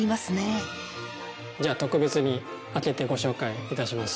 じゃあ特別に開けてご紹介いたします。